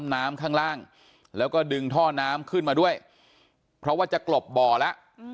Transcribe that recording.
น้ำข้างล่างแล้วก็ดึงท่อน้ำขึ้นมาด้วยเพราะว่าจะกลบบ่อแล้ว